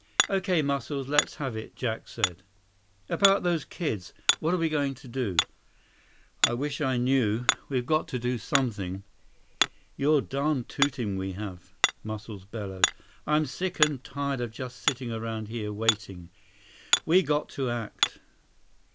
"Okay, Muscles, let's have it," Jack said. "About those kids. What are we going to do?" "I wish I knew. We've got to do something." "You're darn tootin' we have," Muscles bellowed. "I'm sick and tired of just sitting around here, waiting. We got to act."